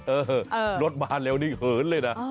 เออรถมาเร็วนี้เหินเลยนะ